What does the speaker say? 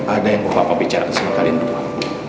ada yang mau papa bicara sama kalian dua